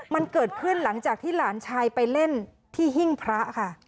มันเกิดขึ้นหลังจากที่หลานชายไปเล่นที่หิ้งพระค่ะ